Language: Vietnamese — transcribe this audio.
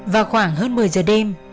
vào khoảng hơn một mươi giờ đêm